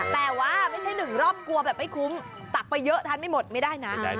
แต่ว่าไม่ใช่หนึ่งรอบกลัวแบบไม่คุ้มตักไปเยอะทานไม่หมดไม่ได้นะ